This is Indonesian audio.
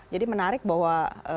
jadi menarik bahwa